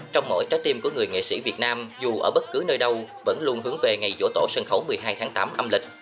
trong mỗi trái tim của người nghệ sĩ việt nam dù ở bất cứ nơi đâu vẫn luôn hướng về ngày dỗ tổ sân khấu một mươi hai tháng tám âm lịch